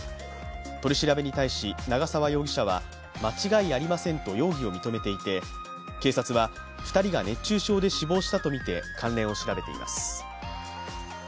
取り調べに対し、長澤容疑者は間違いありませんと容疑を認めていて、警察は２人が熱中症で死亡したとみて関連を調べています。